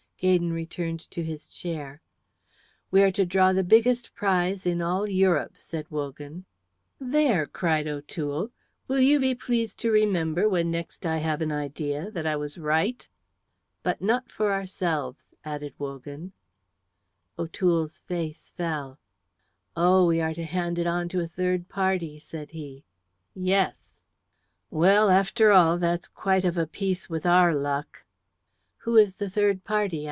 Gaydon returned to his chair. "We are to draw the biggest prize in all Europe," said Wogan. "There!" cried O'Toole. "Will you be pleased to remember when next I have an idea that I was right?" "But not for ourselves," added Wogan. O'Toole's face fell. "Oh, we are to hand it on to a third party," said he. "Yes." "Well, after all, that's quite of a piece with our luck." "Who is the third party?"